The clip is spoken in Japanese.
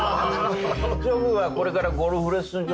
諸君はこれからゴルフレッスン場だろ？